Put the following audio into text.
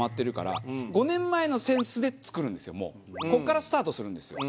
ここからスタートするんですよ